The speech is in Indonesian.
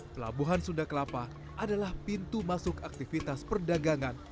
pelabuhan sunda kelapa adalah pintu masuk aktivitas perdagangan